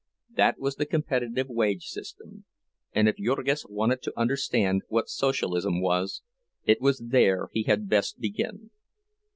That was the competitive wage system; and if Jurgis wanted to understand what Socialism was, it was there he had best begin.